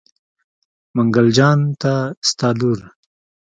منګل جان ته ستا لور.